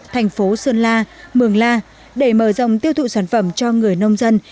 thành phố sơn la mường la để mở rộng tiêu thụ sản phẩm cho người nông dân